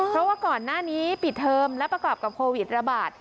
เพราะว่าก่อนหน้านี้ปิดเทอมและประกอบกับโควิดระบาด